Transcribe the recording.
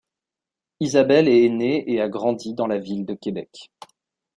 Isabelle est née et a grandi dans la ville de Québec.